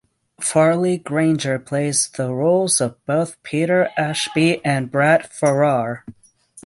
Farley Granger plays the roles of both Peter Ashby and Brat Farrar.